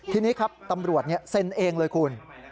ทีนี้ครับตำรวจเซ็นเองเลยคุณ